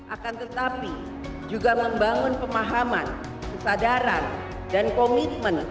akan tetapi juga membangun pemahaman kesadaran dan komitmen